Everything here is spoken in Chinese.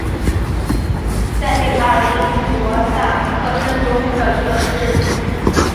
塞费塔尔是德国下萨克森州的一个市镇。